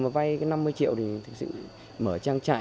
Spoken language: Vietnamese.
vay năm mươi triệu thì thực sự mở trang trại